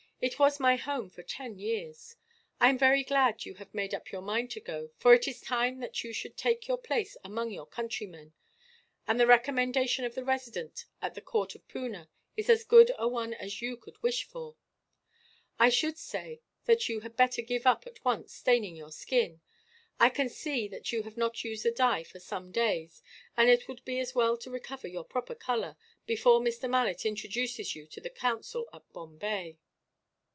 It was my home for ten years. I am very glad you have made up your mind to go, for it is time that you should take your place among your countrymen; and the recommendation of the Resident at the court of Poona is as good a one as you could wish for. "I should say that you had better give up, at once, staining your skin. I can see that you have not used the dye for some days, and it would be as well to recover your proper colour, before Mr. Malet introduces you to the Council at Bombay."